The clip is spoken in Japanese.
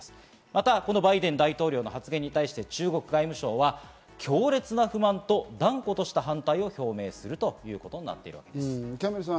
またバイデン大統領の発言に対し、中国外務省は強烈な不満と断固とした反対を表明するということです。